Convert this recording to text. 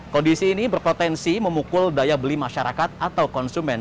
kondisi ini berpotensi memukul daya beli masyarakat atau konsumen